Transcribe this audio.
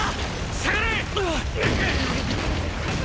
下がれ！！